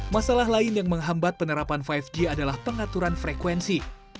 masalah lain yang menghambat penerapan lima g adalah pengaturan frekuensi